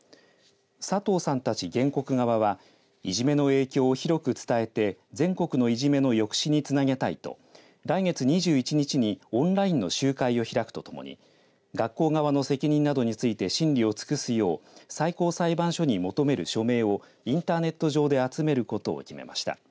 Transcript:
佐藤さんたち原告側はいじめの影響を広く伝えて全国のいじめの抑止につなげたいと来月２１日にオンラインの集会を開くとともに学校側の責任などについて審理を尽くすよう最高裁判所に求める署名をインターネット上で集めることを決めました。